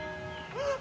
あっ！